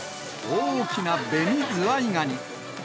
大きなベニズワイガニ。